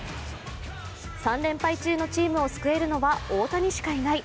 ３連敗中のチームを救えるのは大谷しかいない。